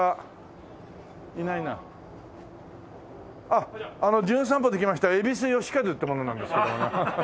あっ『じゅん散歩』で来ました蛭子能収って者なんですけどもね。